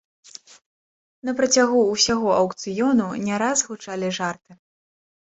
На працягу ўсяго аўкцыёну не раз гучалі жарты.